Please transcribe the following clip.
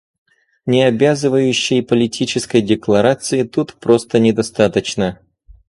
Необязывающей политической декларации тут просто недостаточно.